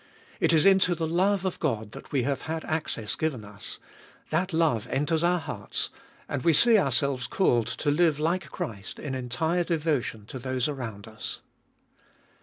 It is into the love of God that we have had access given us ; that love enters our hearts ; and we see ourselves called to live like Christ in entire devotion to those around us.